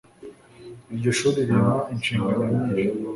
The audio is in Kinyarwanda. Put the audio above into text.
iryo shuri rimpa inshingano nyinshi